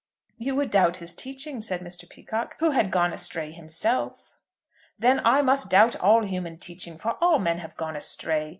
"You would doubt his teaching," said Mr. Peacocke, "who had gone astray himself." "Then I must doubt all human teaching, for all men have gone astray.